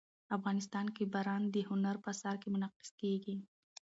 افغانستان کې باران د هنر په اثار کې منعکس کېږي.